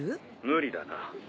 無理だな。